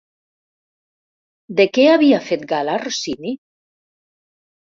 De què havia fet gala Rossini?